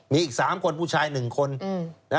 มีอีกผู้ชาย๑คน